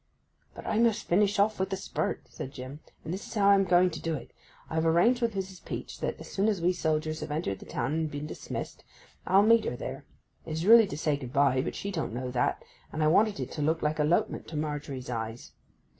'But I must finish off with a spurt,' said Jim. 'And this is how I am going to do it. I have arranged with Mrs. Peach that, as soon as we soldiers have entered the town and been dismissed, I'll meet her there. It is really to say good bye, but she don't know that; and I wanted it to look like a lopement to Margery's eyes.